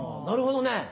なるほどね。